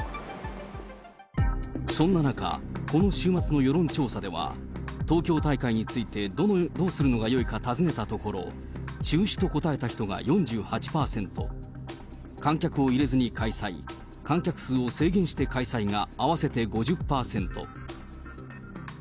そんな中、この週末の世論調査では、東京大会について、どうするのがよいか尋ねたところ、中止と答えた人が４８％、観客を入れずに開催、観客数を制限して開催が合わせて５０％。